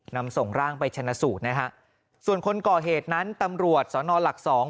นำส่งร่างไปชนะสูตรนะฮะส่วนคนก่อเหตุนั้นตำรวจสนหลักสอง